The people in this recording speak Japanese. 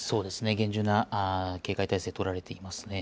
厳重な警戒態勢取られていますね。